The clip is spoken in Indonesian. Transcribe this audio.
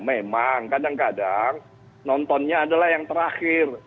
memang kadang kadang nontonnya adalah yang terakhir